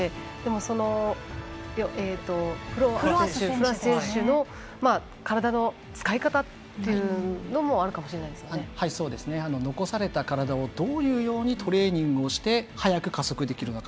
そのフロアス選手の体の使い方というのも残された体をどういうようにトレーニングして速く加速できるのか。